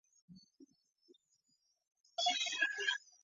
表示上榜中粗体表示冠军歌